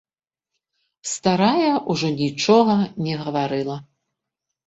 Старая ўжо нічога не гаварыла.